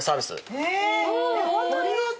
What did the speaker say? えありがとう。